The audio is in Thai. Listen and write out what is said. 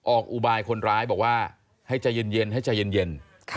ออกอุบายคนร้ายบอกว่าให้ใจเย็น